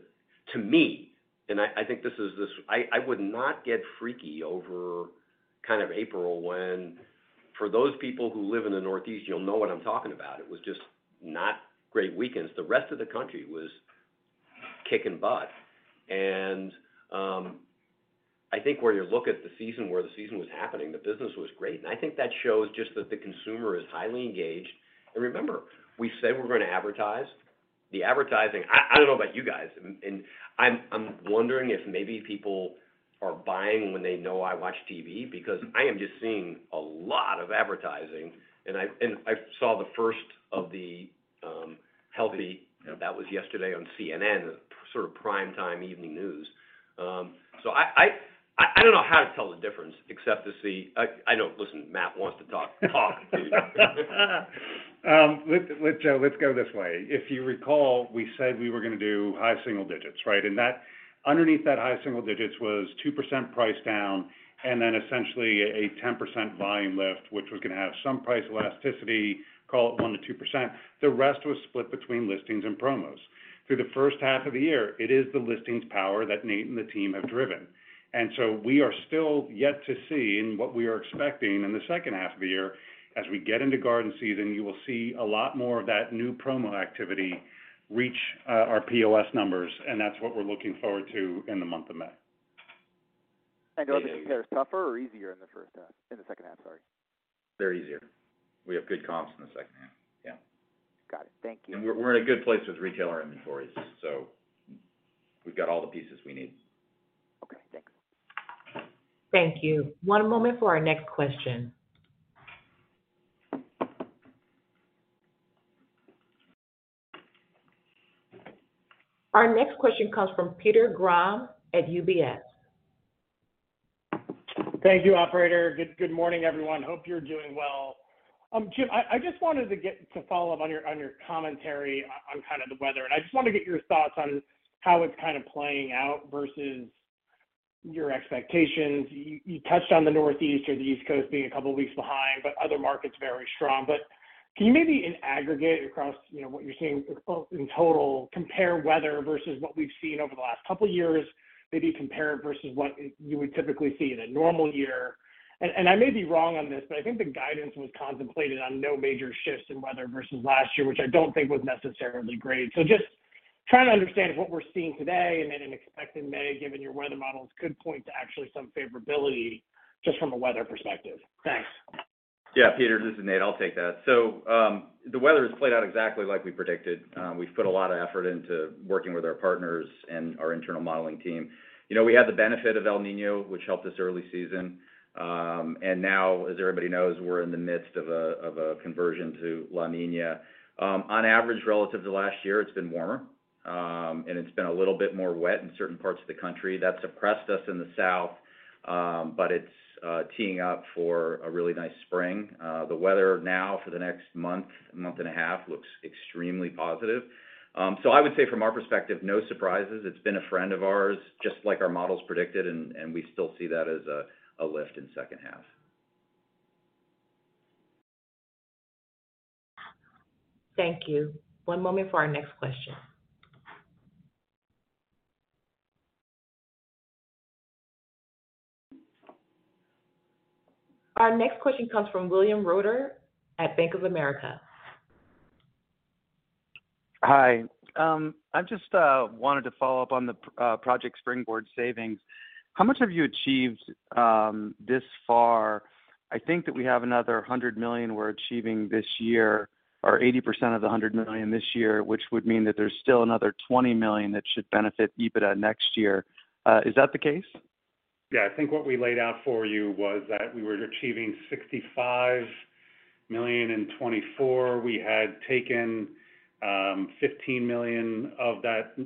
to me, and I, I think this is this, I would not get freaky over kind of April, when for those people who live in the Northeast, you'll know what I'm talking about. It was just not great weekends. The rest of the country was kicking butt. And, I think where you look at the season, where the season was happening, the business was great. And I think that shows just that the consumer is highly engaged. And remember, we said we're gonna advertise. The advertising, I, I don't know about you guys, and, and I'm, I'm wondering if maybe people are buying when they know I watch TV, because I am just seeing a lot of advertising, and I, and I saw the first of the, healthy- Yeah. that was yesterday on CNN, sort of prime-time evening news. So I don't know how to tell the difference except to see, I know, listen, Matt wants to talk. Let's, Joe, let's go this way. If you recall, we said we were gonna do high single-digits, right? And that underneath that high single-digits was 2% price down and then essentially a 10% volume lift, which was gonna have some price elasticity, call it 1%-2%. The rest was split between listings and promos. Through the first half of the year, it is the listings power that Nate and the team have driven. And so we are still yet to see, and what we are expecting in the second half of the year, as we get into garden season, you will see a lot more of that new promo activity reach our POS numbers, and that's what we're looking forward to in the month of May. It'll be either tougher or easier in the first half, in the second half? Sorry. They're easier. We have good comps in the second half. Yeah. Got it. Thank you. And we're in a good place with retailer inventories, so we've got all the pieces we need. Okay, thanks. Thank you. One moment for our next question. Our next question comes from Peter Grom at UBS. Thank you, operator. Good morning, everyone. Hope you're doing well. Jim, I just wanted to get to follow up on your commentary on kind of the weather, and I just want to get your thoughts on how it's kind of playing out versus your expectations. You touched on the Northeast or the East Coast being a couple of weeks behind, but other markets very strong. But can you maybe in aggregate across, you know, what you're seeing in total, compare weather versus what we've seen over the last couple of years, maybe compare it versus what you would typically see in a normal year? And I may be wrong on this, but I think the guidance was contemplated on no major shifts in weather versus last year, which I don't think was necessarily great. Just trying to understand what we're seeing today, and then an expected May, given your weather models, could point to actually some favorability just from a weather perspective. Thanks. Yeah, Peter, this is Nate. I'll take that. So, the weather has played out exactly like we predicted. We've put a lot of effort into working with our partners and our internal modeling team. You know, we had the benefit of El Niño, which helped us early season. And now, as everybody knows, we're in the midst of a conversion to La Niña. On average, relative to last year, it's been warmer, and it's been a little bit more wet in certain parts of the country. That's suppressed us in the South, but it's teeing up for a really nice spring. The weather now for the next month, month and a half, looks extremely positive. So I would say from our perspective, no surprises. It's been a friend of ours, just like our models predicted, and we still see that as a lift in second half. Thank you. One moment for our next question. Our next question comes from William Reuter at Bank of America. Hi, I just wanted to follow up on the Project Springboard savings. How much have you achieved this far? I think that we have another $100 million we're achieving this year, or 80% of the $100 million this year, which would mean that there's still another $20 million that should benefit EBITDA next year. Is that the case? Yeah, I think what we laid out for you was that we were achieving $65 million in 2024. We had taken $15 million of that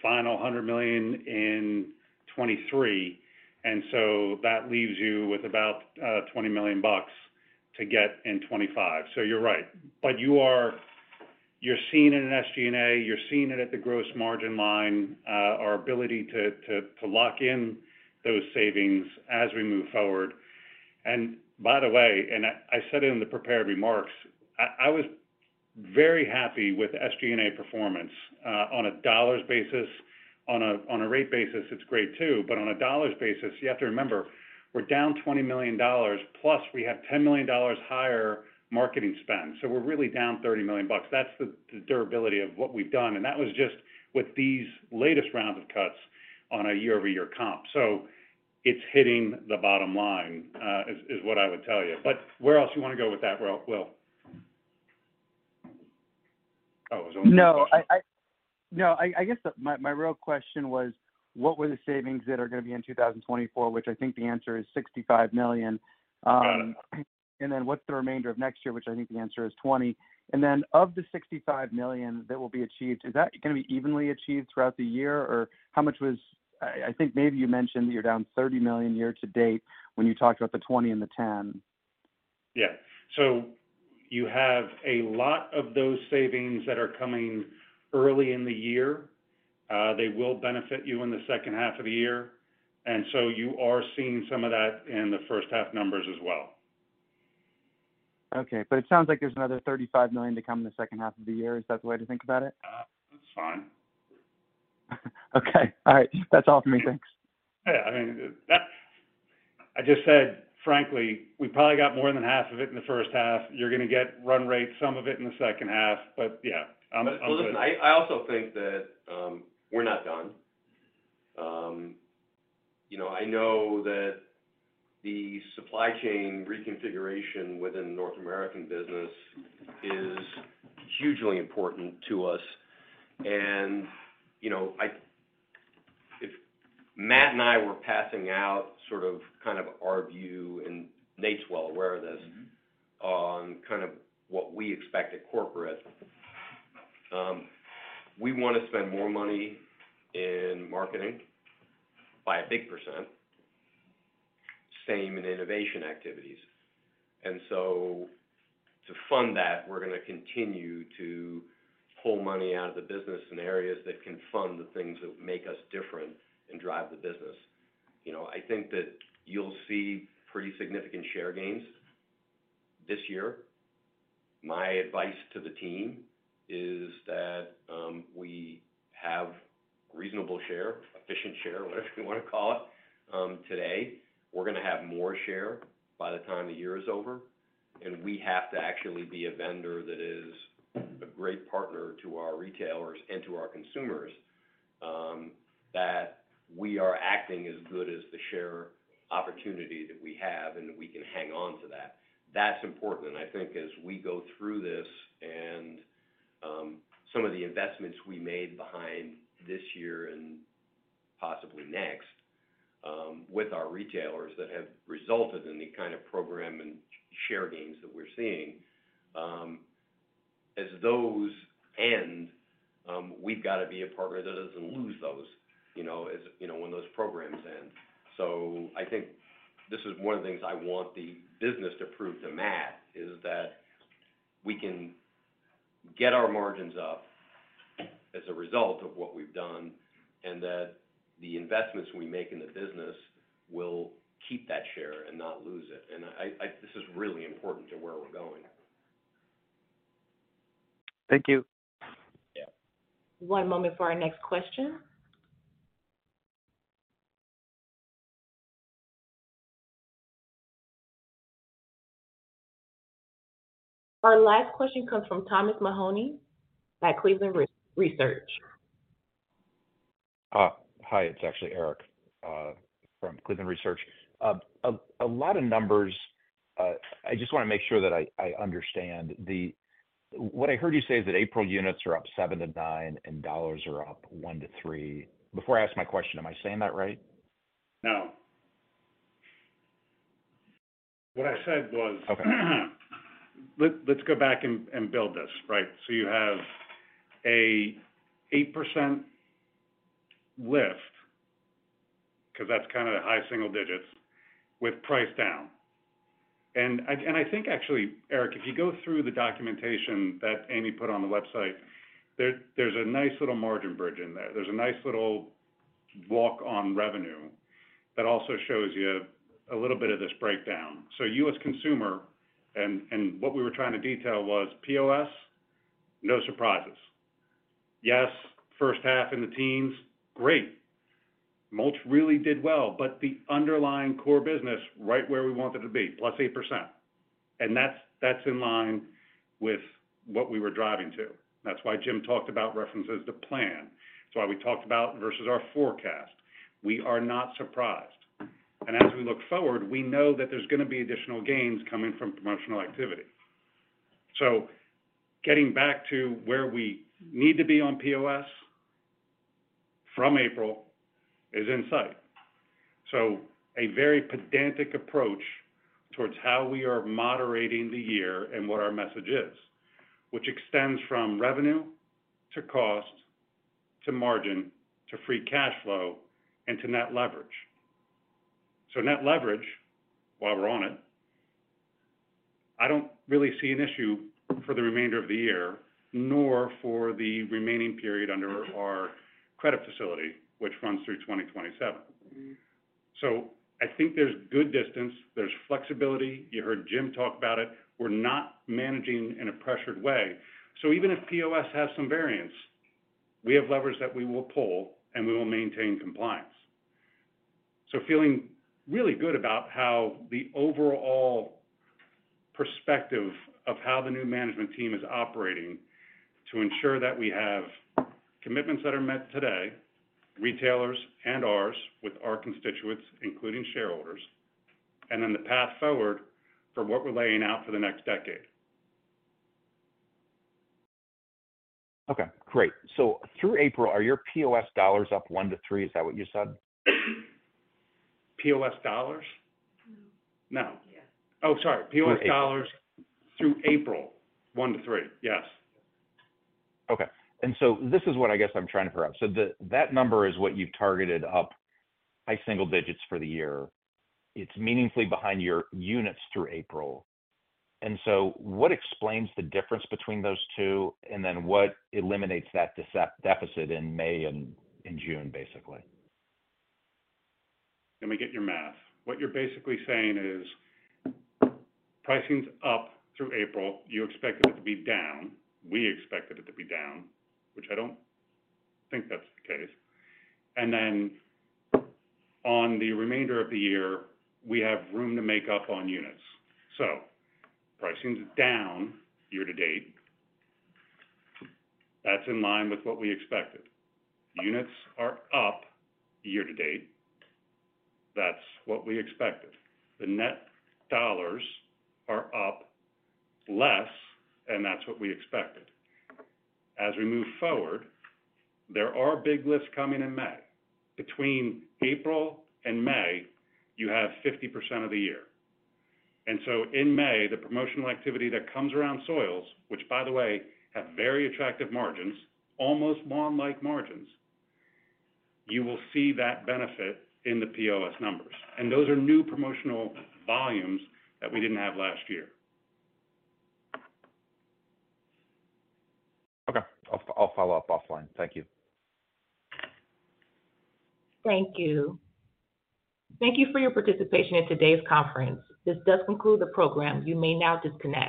final $100 million in 2023, and so that leaves you with about $20 million bucks to get in 2025. So you're right. But you are, you're seeing it in SG&A, you're seeing it at the gross margin line, our ability to lock in those savings as we move forward. And by the way, I said it in the prepared remarks, I was very happy with SG&A performance on a dollars basis. On a rate basis, it's great too, but on a dollars basis, you have to remember, we're down $20 million, plus we have $10 million higher marketing spend. So we're really down $30 million. That's the durability of what we've done, and that was just with these latest round of cuts on a year-over-year comp. So it's hitting the bottom line, is what I would tell you. But where else you want to go with that, Will? Oh, was it only one question? No, I guess my real question was, what were the savings that are going to be in 2024, which I think the answer is $65 million. Yeah. And then what's the remainder of next year, which I think the answer is $20 million. And then of the $65 million that will be achieved, is that going to be evenly achieved throughout the year? Or how much was, I, I think maybe you mentioned you're down $30 million year to date when you talked about the $20 million and the $10 million. Yeah. So you have a lot of those savings that are coming early in the year. They will benefit you in the second half of the year, and so you are seeing some of that in the first half numbers as well. Okay. But it sounds like there's another $35 million to come in the second half of the year. Is that the way to think about it? That's fine. Okay. All right. That's all for me. Thanks. Yeah, I mean, that, I just said, frankly, we probably got more than half of it in the first half. You're going to get run rate, some of it in the second half, but yeah, I'm good. Well, listen, I also think that we're not done. You know, I know that the supply chain reconfiguration within North American business is hugely important to us. And, you know, if Matt and I were passing out sort of kind of our view, and Nate's well aware of this- Mm-hmm. On kind of what we expect at corporate, we want to spend more money in marketing by a big percent, same in innovation activities. And so to fund that, we're going to continue to pull money out of the business in areas that can fund the things that make us different and drive the business. You know, I think that you'll see pretty significant share gains this year. My advice to the team is that, we have reasonable share, efficient share, whatever you want to call it, today. We're going to have more share by the time the year is over, and we have to actually be a vendor that is a great partner to our retailers and to our consumers. That we are acting as good as the share opportunity that we have, and we can hang on to that. That's important, and I think as we go through this and, some of the investments we made behind this year and next possibly next, with our retailers that have resulted in the kind of program and share gains that we're seeing. As those end, we've got to be a partner that doesn't lose those, you know, as, you know, when those programs end. So I think this is one of the things I want the business to prove to Matt, is that we can get our margins up as a result of what we've done, and that the investments we make in the business will keep that share and not lose it. And I, I, this is really important to where we're going. Thank you. Yeah. One moment for our next question. Our last question comes from Thomas Mahoney at Cleveland Research. Hi, it's actually Eric from Cleveland Research. A lot of numbers, I just wanna make sure that I understand. What I heard you say is that April units are up seven and nine, and dollars are up one to three. Before I ask my question, am I saying that right? No. What I said was- Okay. Let's go back and build this, right? So you have a 8% lift, 'cause that's kind of the high single-digits, with price down. And I think actually, Eric, if you go through the documentation that Aimee put on the website, there's a nice little margin bridge in there. There's a nice little walk on revenue that also shows you a little bit of this breakdown. So U.S. Consumer, and what we were trying to detail was POS, no surprises. Yes, first half in the teams, great. Mulch really did well, but the underlying core business, right where we want them to be, +8%. And that's in line with what we were driving to. That's why Jim talked about references to plan. That's why we talked about versus our forecast. We are not surprised. And as we look forward, we know that there's gonna be additional gains coming from promotional activity. So getting back to where we need to be on POS, from April, is in sight. So a very pedantic approach towards how we are moderating the year and what our message is, which extends from revenue, to cost, to margin, to free cash flow, and to net leverage. So net leverage, while we're on it, I don't really see an issue for the remainder of the year, nor for the remaining period under our credit facility, which runs through 2027. So I think there's good distance, there's flexibility. You heard Jim talk about it. We're not managing in a pressured way. So even if POS has some variance, we have levers that we will pull, and we will maintain compliance. Feeling really good about how the overall perspective of how the new management team is operating to ensure that we have commitments that are met today, retailers and ours, with our constituents, including shareholders, and then the path forward for what we're laying out for the next decade. Okay, great. So through April, are your POS dollars up one to three? Is that what you said? POS dollars? No. Yeah. Oh, sorry. POS dollars, through April, one to three. Yes. Okay. So this is what I guess I'm trying to figure out. So that number is what you've targeted up by single-digits for the year. It's meaningfully behind your units through April. And so what explains the difference between those two, and then what eliminates that deficit in May and in June, basically? Let me get your math. What you're basically saying is, pricing's up through April. You expected it to be down. We expected it to be down, which I don't think that's the case. And then on the remainder of the year, we have room to make up on units. So pricing's down year to date. That's in line with what we expected. Units are up year to date. That's what we expected. The net dollars are up less, and that's what we expected. As we move forward, there are big lifts coming in May. Between April and May, you have 50% of the year. And so in May, the promotional activity that comes around soils, which by the way, have very attractive margins, almost lawn-like margins, you will see that benefit in the POS numbers. And those are new promotional volumes that we didn't have last year. Okay. I'll follow up offline. Thank you. Thank you. Thank you for your participation in today's conference. This does conclude the program. You may now disconnect.